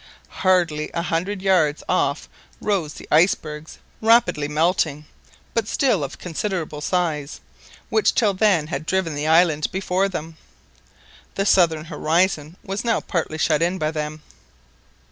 Hardly a hundred yards off rose the icebergs, rapidly melting, but still of a considerable size, which till then had driven the island before them. The southern horizon was now partly shut in by them.